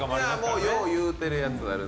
いやよう言うてるやつある。